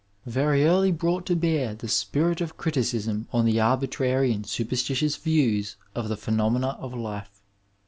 1), very early brought to bear the spirit of criticism on the arbitrary and superstitious views of the phenomena of life.